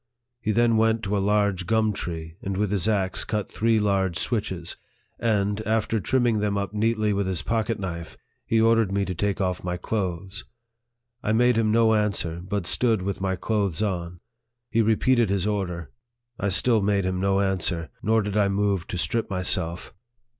He then went to a large gum tree, and with his axe cut three large switches, and, after trimming them up neatly with his pocket knife, he ordered me to take off my clothes. I made him no answer, but stood with my clothes on. He repeated his order. I still made him no answer, nor did I move to strip myself.